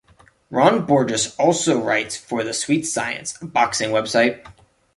Ron Borges also writes for The Sweet Science, a boxing website.